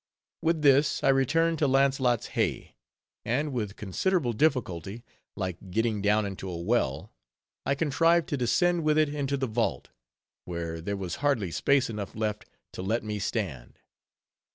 With this, I returned to Launcelott's Hey; and with considerable difficulty, like getting down into a well, I contrived to descend with it into the vault; where there was hardly space enough left to let me stand.